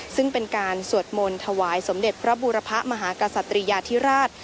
ซึ่งเป็นการสวดมนต์ถวายสมเด็จพระบูรพะมหากษัตริยาธิราช